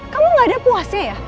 kamu gak ada puasnya ya